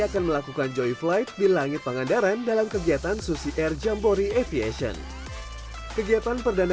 akan melakukan joy flight di langit pangandaran dalam kegiatan susi air jambore aviation kegiatan perdana